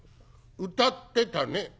「歌ってたね」。